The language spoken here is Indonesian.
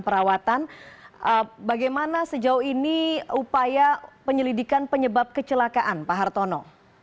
perawatan bagaimana sejauh ini upaya penyelidikan penyebab kecelakaan pak hartono